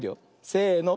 せの。